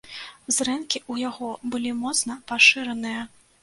Зрэнкі ў яго былі моцна пашыраныя.